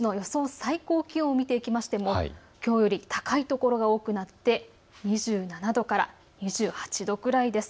最高気温を見ても、きょうより高いところが多くなって２７度から２８度くらいです。